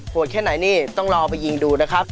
โหดแค่ไหนนี่ต้องรอไปยิงดูนะครับ